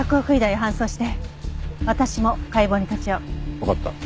わかった。